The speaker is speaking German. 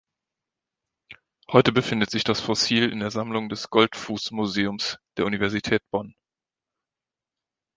Heute befindet sich das Fossil in der Sammlung des Goldfuß-Museums der Universität Bonn.